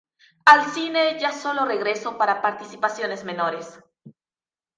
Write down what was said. Al cine ya solo regresó para participaciones menores.